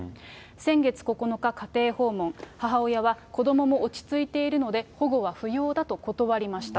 先月９日、家庭訪問、母親は子どもも落ち着いているので保護は不要だと断りました。